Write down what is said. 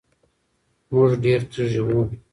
مونږ ډېر تږي وو